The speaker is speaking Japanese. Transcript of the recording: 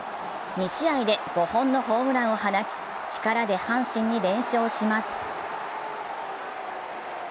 ２試合で５本のホームランを放ち力で阪神に連勝します。